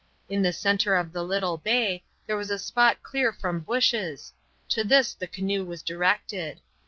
In the center of the little bay there was a spot clear from bushes; to this the canoe was directed.